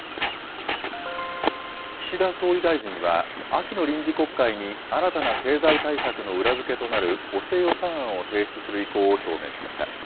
岸田総理大臣は、秋の臨時国会に新たな経済対策の裏付けとなる補正予算案を提出する意向を表明しました。